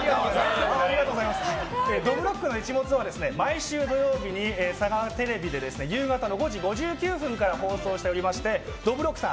「どぶろっくの一物」は毎週土曜日にサガテレビで夕方の５時５９分から放送しておりましてどぶろっくさん